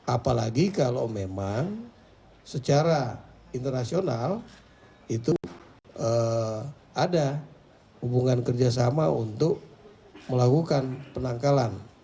apalagi kalau memang secara internasional itu ada hubungan kerjasama untuk melakukan penangkalan